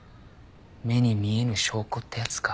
目に見えぬ証拠ってやつか。